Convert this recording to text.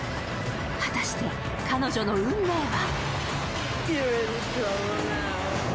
果たして彼女の運命は。